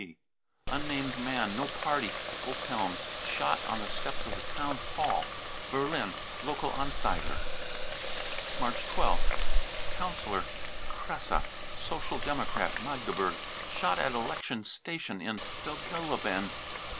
(WTB.) unnamed man, no party, Oppeln, shot on the steps of the Town Hall. (Berlin Lokal Anzeiger.) March 12th. councillor kresse, Social Democrat, Magdeburg, shot at election station in Felgeleben.